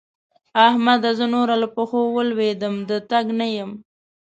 احمده! زه نور له پښو ولوېدم - د تګ نه یم.